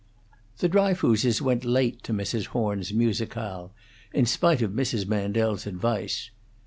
The Dryfooses went late to Mrs. Horn's musicale, in spite of Mrs. Mandel's advice.